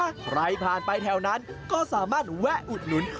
ใครผ่านไปแถวนั้นก็สามารถแวะอุดหนุน